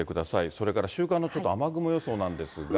それから週間のちょっと雨雲予報なんですが。